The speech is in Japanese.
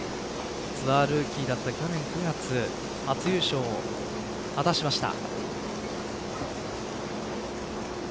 ツアールーキーだった去年９月初優勝を果たしました。